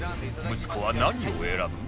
息子は何を選ぶ？